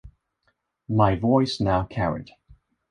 My voice now carried.